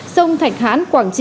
sông thạch hán quảng trị